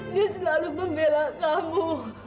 dia selalu membela kamu